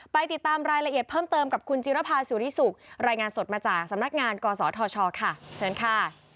ไปติดตามรายละเอียดเพิ่มเติมกับคุณจิรภาสุริสุขรายงานสดมาจากสำนักงานกศธชค่ะเชิญค่ะ